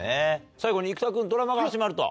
最後に生田君ドラマが始まると。